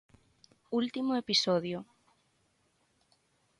Último episodio.